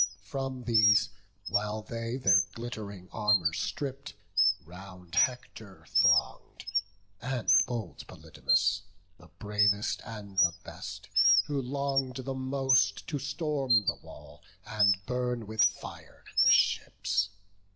From these while they their glitt'ring armour stripp'd, Round Hector throng'd, and bold Polydamas, The bravest and the best, who long'd the most To storm the wall, and burn with fire the ships.